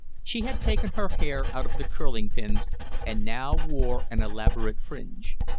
She had taken her hair out of the curling pins and now wore an elaborate fringe.